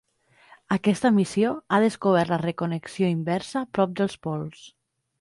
Aquesta missió ha descobert la 'reconnexió inversa' prop dels pols.